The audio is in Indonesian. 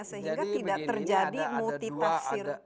sehingga tidak terjadi multilayering